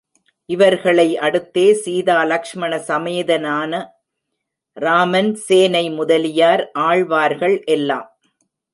இவர்களை அடுத்தே சீதா லக்ஷ்மண சமேதனான ராமன், சேனை முதலியார், ஆழ்வார்கள் எல்லாம்.